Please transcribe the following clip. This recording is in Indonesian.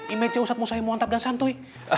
image nya usat musayimu antap dan santuy